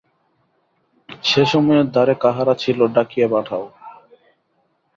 সে-সময়ে দ্বারে কাহারা ছিল ডাকিয়া পাঠাও।